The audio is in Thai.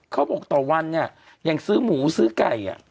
เขาบอกต่อวันเนี่ยอย่างซื้อหมูซื้อไก่